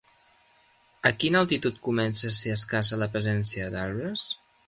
A quina altitud comença ser escassa la presència d'arbres?